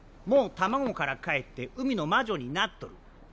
もう卵からかえって海の魔女になっとる。